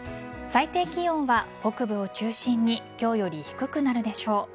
最低気温は北部を中心に今日より低くなるでしょう。